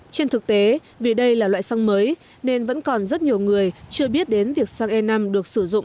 trên thực tế vì đây là loại xăng mới nên vẫn còn rất nhiều người chưa biết đến việc xăng e năm được sử dụng